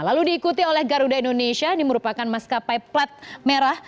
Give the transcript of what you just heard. lalu diikuti oleh garuda indonesia ini merupakan maskapai plat merah